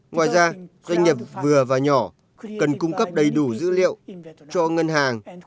ngoài ra doanh nghiệp vừa và nhỏ cần cung cấp đầy đủ dữ liệu cho ngân hàng